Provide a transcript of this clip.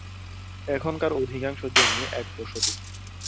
এখানকার অধিকাংশ জমি এক ফসলি।